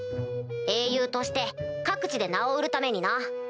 英雄として各地で名を売るためにな。